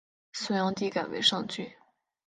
隋炀帝改为上郡。